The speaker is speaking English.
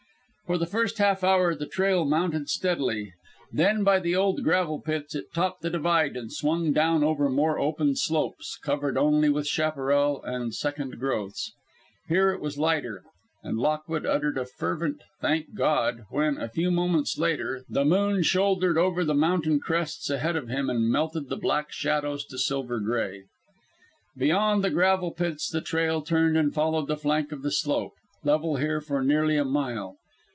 For the first half hour the trail mounted steadily, then, by the old gravel pits, it topped the divide and swung down over more open slopes, covered only with chaparral and second growths. Here it was lighter, and Lockwood uttered a fervent "Thank God!" when, a few moments later, the moon shouldered over the mountain crests ahead of him and melted the black shadows to silver gray. Beyond the gravel pits the trail turned and followed the flank of the slope, level here for nearly a mile.